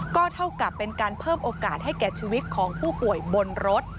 ก็เท่ากับเป็นการเพิ่มโอกาสให้แก่ชีวิตของผู้ป่วยบนรถ